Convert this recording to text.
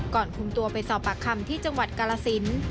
ก่อนคุมตัวไปสอบปากคำที่จังหวัดกาลสิน